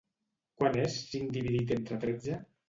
Quant és cinc dividit entre tretze.